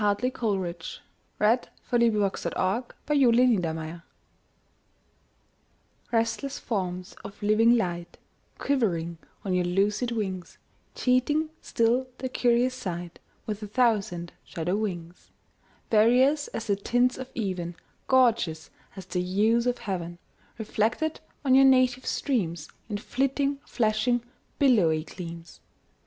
M N . O P . Q R . S T . U V . W X . Y Z Address to Certain Golfishes RESTLESS forms of living light Quivering on your lucid wings, Cheating still the curious sight With a thousand shadowings; Various as the tints of even, Gorgeous as the hues of heaven, Reflected on you native streams In flitting, flashing, billowy gleams!